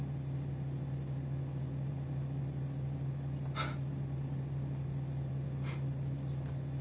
フッ。